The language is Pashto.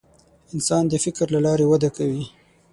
انسان د فکر له لارې وده کوي.